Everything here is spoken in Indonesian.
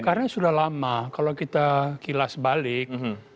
karena sudah lama kalau kita kilas balik